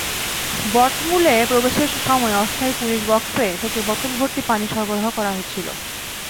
বটমূলে প্রবেশের সময় অস্থায়ী পুলিশ বক্সে থেকে বোতলভর্তি পানি সরবরাহ করা হচ্ছিল।